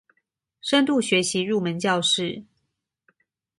深度學習入門教室